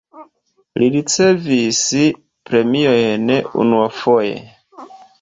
Li ricevis premiojn unuafoje.